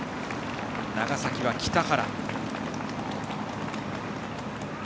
長崎は北原。